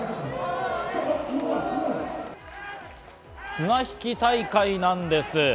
綱引き大会なんです。